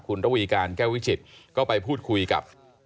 คุณระวีการแก้ววิจิตรก็ไปพูดคุยกับ